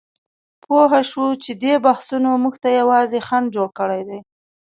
پوهه شو چې دې بحثونو موږ ته یوازې خنډ جوړ کړی دی.